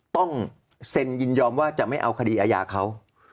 ต้องเซ็นยินยอมว่าจะไม่เอาคดีอาญาเขา